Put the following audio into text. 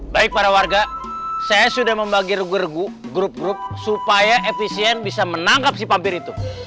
baik para warga saya sudah membagi rugu regu grup grup supaya efisien bisa menangkap si pabir itu